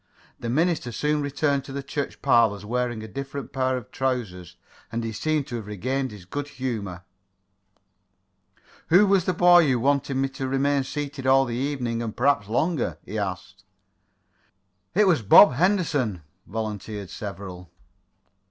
The minister soon returned to the church parlors, wearing a different pair of trousers, and he seemed to have regained his good humor. "Who was the boy who wanted me to remain seated all the evening, and perhaps longer?" he asked. "It was Bob Henderson," volunteered several.